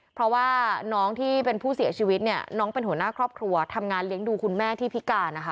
เพราะว่าน้องที่เป็นผู้เสียชีวิตเนี่ยน้องเป็นหัวหน้าครอบครัวทำงานเลี้ยงดูคุณแม่ที่พิการนะคะ